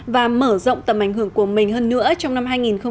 và mở rộng tầm ảnh hưởng của mình hơn nữa trong năm hai nghìn một mươi chín